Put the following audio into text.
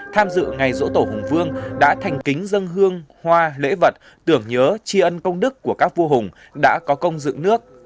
tham dự ngày rỗ tổ hùng vương đã thành kính dân hương hoa lễ vật tưởng nhớ tri ân công đức của các vua hùng đã có công dựng nước